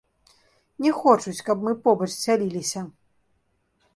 Не хочуць, каб мы побач сяліліся.